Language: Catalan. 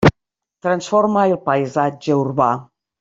Transforma el paisatge urbà.